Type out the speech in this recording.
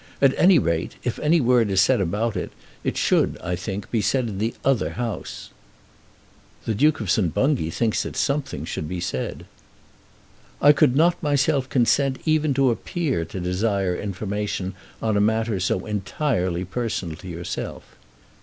At any rate, if any word is said about it, it should, I think, be said in the other House." "The Duke of St. Bungay thinks that something should be said." "I could not myself consent even to appear to desire information on a matter so entirely personal to yourself."